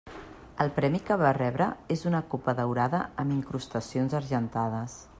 El premi que va rebre és una copa daurada amb incrustacions argentades.